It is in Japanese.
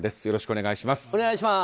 よろしくお願いします。